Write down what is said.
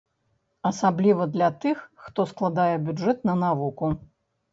Асабліва для тых, хто складае бюджэт на навуку.